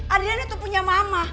adriana tuh punya mama